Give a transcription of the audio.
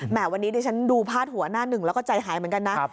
วันนี้ดิฉันดูพาดหัวหน้าหนึ่งแล้วก็ใจหายเหมือนกันนะ